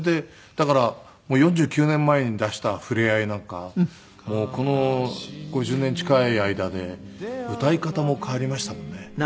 だから４９年前に出した『ふれあい』なんかもうこの５０年近い間で歌い方も変わりましたもんね。